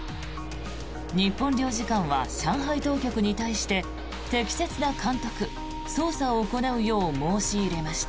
日本領事館は上海当局に対して適切な監督・捜査を行うよう申し入れました。